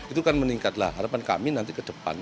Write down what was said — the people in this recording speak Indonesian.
itu kan meningkatlah harapan kami nanti ke depan